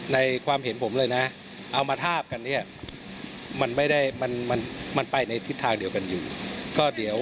ในความเห็นผมเลยนะเอามาทาบกันเถอะมันไปในทิศที่ดีกว่ากันนี้